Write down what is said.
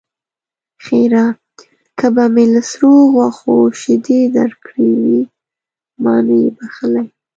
ښېرا: که به مې له سرو غوښو شيدې درکړې وي؛ ما نه يې بښلی.